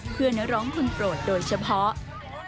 เพื่อเนื้อร้องพลึงโปรดโดยเฉพาะ